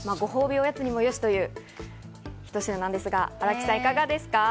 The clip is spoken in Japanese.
おやつにもよしというひと品ですが、新木さんいかがですか？